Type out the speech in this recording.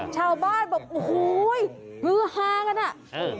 ข้าวบ้านบอกฮูยมือหางันน่ะเออ